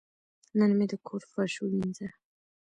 نن مې د کور فرش ووینځه.